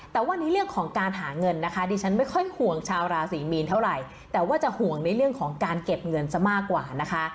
แต่ว่าในเรื่องของการหาเงินนะคะดิฉันไม่ค่อยห่วงชาวราศีมีนเท่าไหร่แต่ว่าจะห่วงในเรื่องของการเก็บเงินซะมากกว่านะคะ